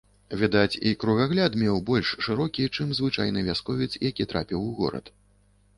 Відаць, і кругагляд меў больш шырокі, чым звычайны вясковец, які трапіў у горад.